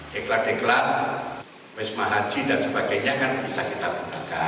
diklat diklat wisma haji dan sebagainya kan bisa kita gunakan